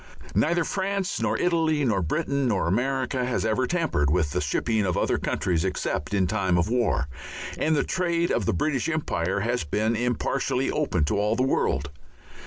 Neither France nor Italy nor Britain nor America has ever tampered with the shipping of other countries except in time of war, and the trade of the British Empire has been impartially open to all the world.